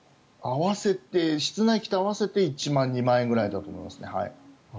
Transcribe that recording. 室内機と合わせて１万円、２万円くらいだと思います。